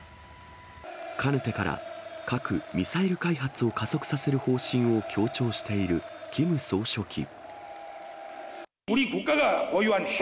かねてから核・ミサイル開発を加速させる方針を強調しているキム総書記。